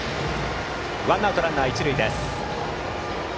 ワンアウトランナー、一塁です。